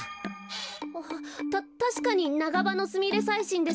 あたたしかにナガバノスミレサイシンです。